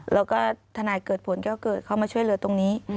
แล้วก็ทนายเกิดผลแก้วเกิดเข้ามาช่วยเหลือตรงนี้